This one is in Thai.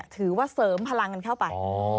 ถือว่าเสริมพลังกันเข้าไป